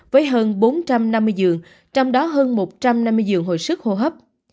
với hơn bốn trăm năm mươi giường trong đó hơn một trăm năm mươi giường hồi sức hô hấp